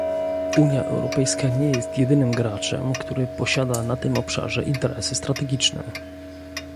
Unia Europejska nie jest jedynym graczem, który posiada na tym obszarze interesy strategiczne